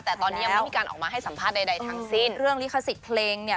แต่ตอนนี้ยังไม่มีการออกมาให้สัมภาษณ์ใดทั้งสิ้นเรื่องลิขสิทธิ์เพลงเนี่ย